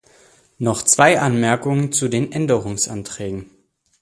Noch zwei Anmerkungen zu den Änderungsanträgen.